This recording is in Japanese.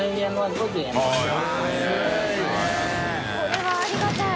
造い諭これはありがたい。